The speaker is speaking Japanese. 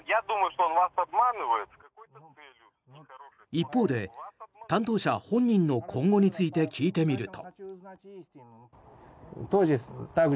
一方で担当者本人の今後について聞いてみると。